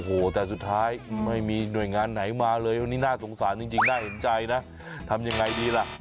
โอ้โหแต่สุดท้ายไม่มีหน่วยงานไหนมาเลยวันนี้น่าสงสารจริงน่าเห็นใจนะทำยังไงดีล่ะ